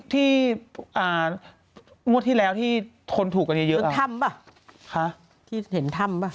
ที่อ่างวดที่แล้วที่ทนถูกกันเยอะเป็นถ้ำป่ะคะที่เห็นถ้ำป่ะ